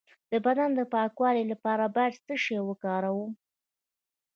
د بدن د پاکوالي لپاره باید څه شی وکاروم؟